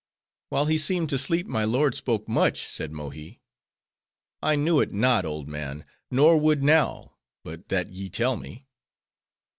"While he seemed to sleep, my lord spoke much," said Mohi. "I knew it not, old man; nor would now; but that ye tell me."